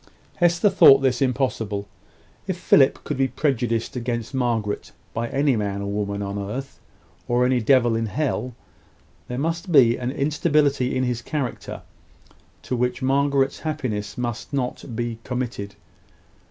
Hester thought this impossible. If Philip could be prejudiced against Margaret by any man or woman on earth, or any devil in hell, there must be an instability in his character to which Margaret's happiness must not be committed.